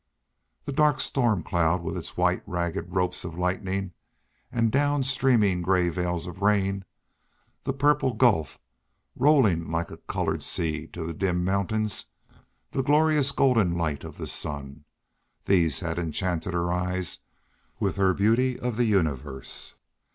The dark storm cloud with its white, ragged ropes of lightning and down streaming gray veils of rain, the purple gulf rolling like a colored sea to the dim mountains, the glorious golden light of the sun these had enchanted her eyes with her beauty of the universe.